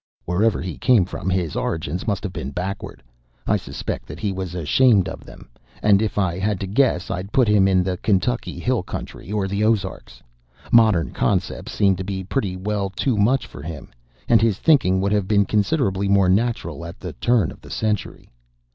Wherever he came from, his origins must have been backward. I suspect that he was ashamed of them, and if I had to guess, I'd put him in the Kentucky hill country or the Ozarks. Modern concepts seemed to be pretty well too much for him, and his thinking would have been considerably more natural at the turn of the century.